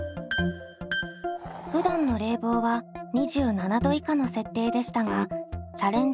ふだんの冷房は２７℃以下の設定でしたがチャレンジ